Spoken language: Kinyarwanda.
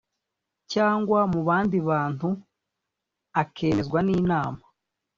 cyangwa mu bandi bantu akemezwa n Inama